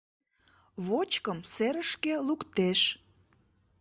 Вочкым серышке луктеш